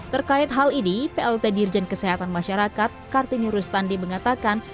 terkait hal ini plt dirjen kesehatan masyarakat kartini rustandi mengatakan